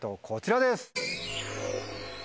こちらです。